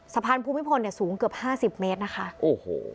สะพานภูมิพลเนี่ยสูงเกือบห้าสิบเมตรนะคะโอ้โห